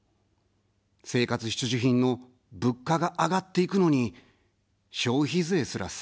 生活必需品の物価が上がっていくのに消費税すら下げない。